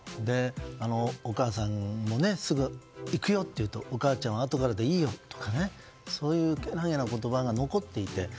お母さんもすぐいくよって言うとお母ちゃんはあとからでいいよとかねそういうような言葉が残っていて。